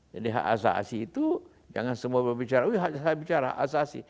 jadi hak asasi itu jangan semua berbicara wih hak asasi itu